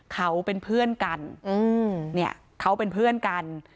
เขาเป็นเพื่อนกันเนี่ยเขาเป็นเพื่อนกัน